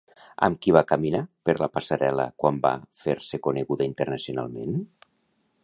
Amb qui va caminar per la passarel·la quan va fer-se coneguda internacionalment?